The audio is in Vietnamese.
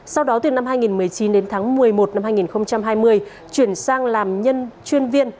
sau đó từ năm hai nghìn một mươi chín đến tháng một mươi một năm hai nghìn hai mươi chuyển sang làm nhân chuyên viên